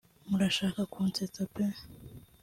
murashaka kunsetsa pe